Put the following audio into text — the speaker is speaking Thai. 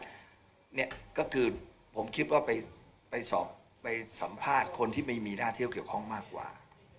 เนี่ยก็คือผมคิดว่าไปสอบไปสัมภาษณ์คนที่ไม่มีหน้าที่เกี่ยวข้องมากกว่า